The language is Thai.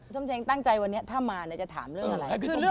ส้มเชงตั้งใจวันนี้ถ้ามาจะถามเรื่องอะไร